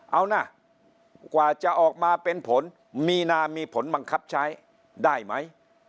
เอานะกว่าจะออกมาเป็นผลมีนามีผลบังคับใช้ได้ไหม